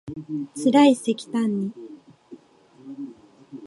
つらいせきたんに